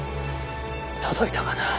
届いたかな。